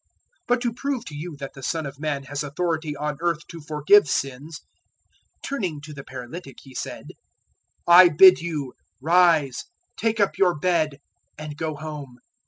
005:024 But to prove to you that the Son of Man has authority on earth to forgive sins" Turning to the paralytic He said, "I bid you, Rise, take up your bed, and go home."